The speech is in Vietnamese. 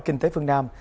kinh tế phương nam